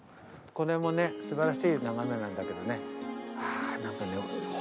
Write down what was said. これもね素晴らしい眺めなんだけどね。